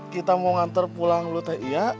kita mau ngantar pulang dulu teh iya